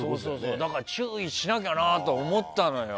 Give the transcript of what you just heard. だから、注意しなきゃなと思ったのよ。